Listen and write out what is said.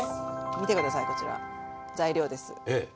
見て下さいこちら材料です。